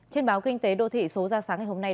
trên báo kinh tế đô thị số ra sáng ngày hôm nay